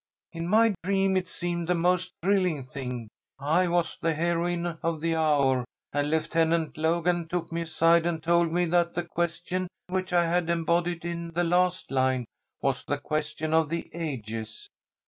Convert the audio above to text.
"In my dream it seemed the most thrilling thing I was the heroine of the hour, and Lieutenant Logan took me aside and told me that the question which I had embodied in that last line was the question of the ages.